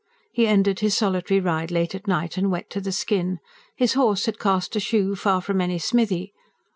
He ended his solitary ride late at night and wet to the skin; his horse had cast a shoe far from any smithy.